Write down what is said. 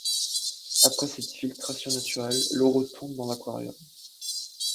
Après cette filtration naturelle, l'eau retourne dans l'aquarium.